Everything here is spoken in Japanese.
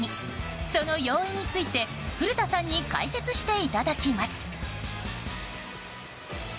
その要因について、古田さんに解説していただきます。